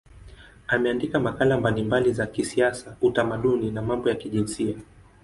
Ameandika makala mbalimbali za kisiasa, utamaduni na mambo ya kijinsia.